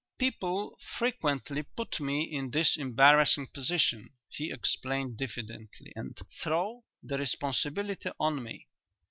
"People frequently put me in this embarrassing position," he explained diffidently, "and throw the responsibility on me.